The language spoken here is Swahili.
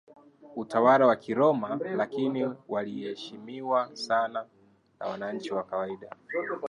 utawala wa Kiroma Lakini waliheshimiwa sana na wananchi wa kawaida